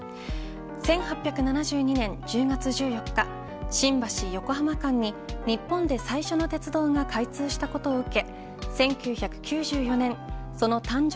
１８７２年１０月１４日新橋、横浜間に日本で最初の鉄道が開通したことを受け